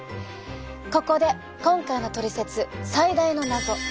ここで今回のトリセツ最大の謎。